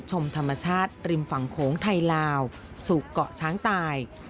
ชมธรรมชาติริมฝั่งโขงไทยลาวสู่เกาะช้างตาย